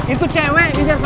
itu cewek mencari saya pas itu